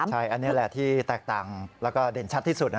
ใช่อันนี้แหละที่แตกต่างแล้วก็เด่นชัดที่สุด